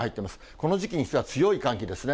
この時期にしては強い寒気ですね。